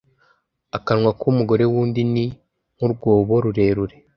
Akanwa k’umugore w’undi ni nk’urwobo rurerure